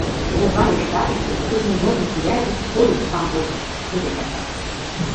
— «Огайо штатыште кӱртньыгорно кӱвар гыч поезд камвозын, — лудеш ача.